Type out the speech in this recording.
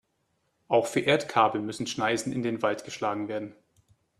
Auch für Erdkabel müssen Schneisen in den Wald geschlagen werden.